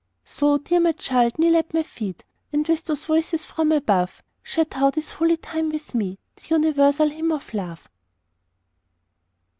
So, dear my child, kneel at my feet, And with those voices from above Share thou this holy time with me, The universal hymn of love.